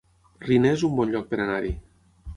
Riner es un bon lloc per anar-hi